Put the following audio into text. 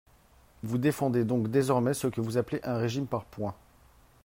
Vous défendez donc désormais ce que vous appelez un régime par points.